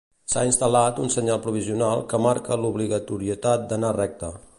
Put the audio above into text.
S'ha instal·lat un senyal provisional que marca l'obligatorietat d'anar recte.